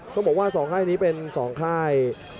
ต้องบอกว่า๒ค่ายนี้เป็น๒ค่าย